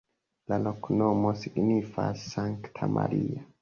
La loknomo signifas: Sankta Maria.